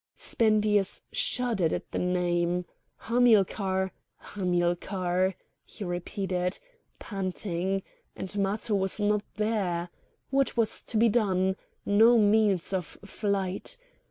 Spendius shuddered at the name. "Hamilcar! Hamilcar!" he repeated, panting, and Matho was not there! What was to be done? No means of flight!